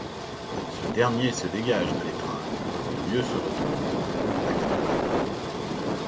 Se dernier se dégage de l’étreinte pour mieux se retourner, à quatre pattes.